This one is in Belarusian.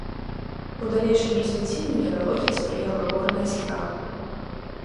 У далейшым развіцці мінералогіі спрыяла горная справа.